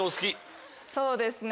そうですね